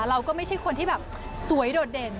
เราก็ไม่ใช่คนที่แบบสวยโดดเด่น